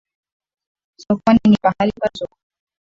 Sokoni ni pahali pazuri